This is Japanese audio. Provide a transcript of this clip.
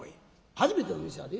「初めての店やで。